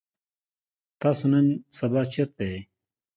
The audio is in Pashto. تاسو نن سبا چرته يئ؟